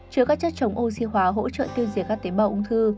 chứa các chất chống oxy hóa hỗ trợ tiêu diệt các tế bào ung thư